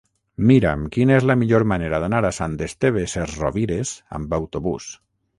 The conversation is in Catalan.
Mira'm quina és la millor manera d'anar a Sant Esteve Sesrovires amb autobús.